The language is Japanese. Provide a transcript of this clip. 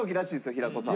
平子さん。